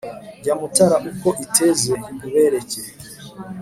Iya Mutara uko iteze nkubereke